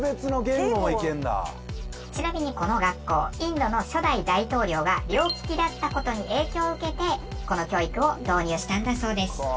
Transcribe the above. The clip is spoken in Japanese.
ちなみにこの学校インドの初代大統領が両利きだった事に影響を受けてこの教育を導入したんだそうです。